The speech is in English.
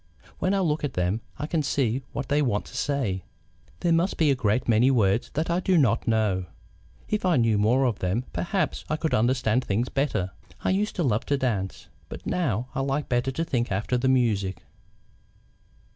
When I look at them I can see what they want to say. There must be a great many words that I do not know; if I knew more of them perhaps I could understand things better. I used to love to dance, but now I like better to think after the music."